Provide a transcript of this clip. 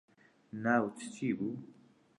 ناوت چی بوو